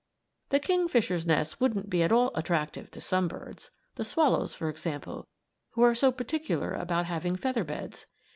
The kingfisher's nest wouldn't be at all attractive to some birds the swallows, for example, who are so particular about having feather beds.